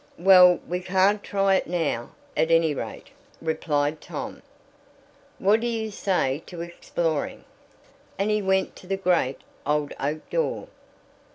"Well, we can't try it now, at any rate," replied Tom. "What do you say to exploring?" and he went to the great, old oak door.